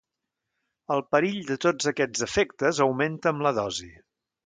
El perill de tots aquests efectes augmenta amb la dosi.